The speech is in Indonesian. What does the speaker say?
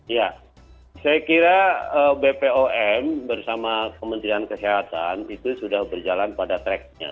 ya saya kira bpom bersama kementerian kesehatan itu sudah berjalan pada tracknya